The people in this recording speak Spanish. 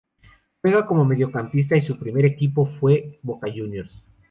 Juega como mediocampista y su primer equipo fue Boca Juniors.